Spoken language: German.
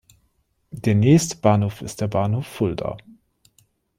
Der nächste Bahnhof ist der Bahnhof Fulda.